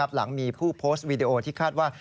หลังมีผู้โพสต์วีดีโอที่คาดว่า